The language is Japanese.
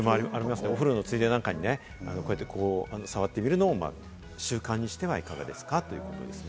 お風呂のついでなんかに触ってみるのも習慣にしてはいかがですか？ということですね。